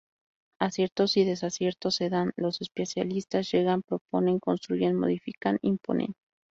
Aciertos y desaciertos se dan: los especialistas llegan, proponen, construyen, modifican, imponen.